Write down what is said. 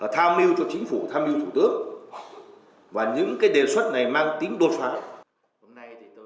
tham mưu cho chính phủ tham mưu thủ tướng và những đề xuất này mang tính đột phá